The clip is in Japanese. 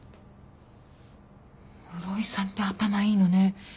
室井さんって頭いいのね。